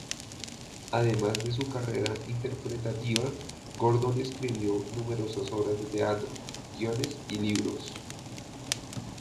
Además de su carrera interpretativa, Gordon escribió numerosas obras de teatro, guiones y libros.